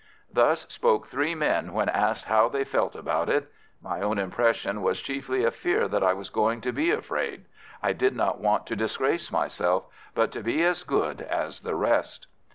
Thus spoke three men when asked how they felt about it. My own impression was chiefly a fear that I was going to be afraid I did not want to disgrace myself, but to be as good as the rest.